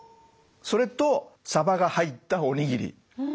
それとさばが入ったおにぎり。